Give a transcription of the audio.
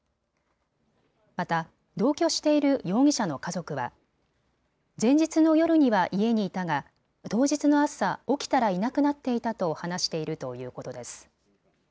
また同居している容疑者の家族は前日の夜には家にいたが当日の朝起きたらいなくなっていたと話しているということです。